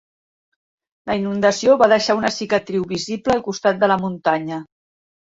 La inundació va deixar una cicatriu visible al costat de la muntanya.